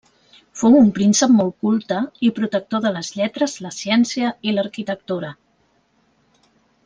Fou un príncep molt culte i protector de les lletres, la ciència i l'arquitectura.